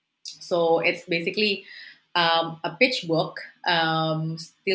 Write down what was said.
jadi ini adalah buku pijak